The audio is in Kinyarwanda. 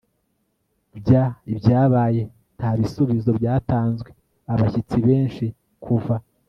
bya ibyabaye. nta bisubizo byatanzwe. abashyitsi, benshi kuva